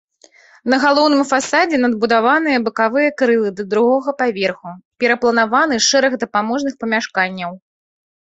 На галоўным фасадзе надбудаваныя бакавыя крылы да другога паверху, перапланаваны шэраг дапаможных памяшканняў.